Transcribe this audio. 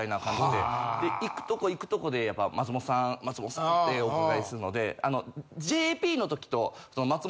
で行くとこ行くとこでやっぱ「松本さん松本さん」ってお伺いするので。